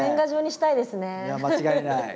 いや間違いない。